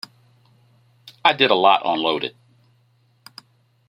I did a lot on "Loaded".